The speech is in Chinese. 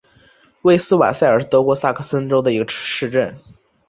魏斯瓦塞尔是德国萨克森州的一个市镇。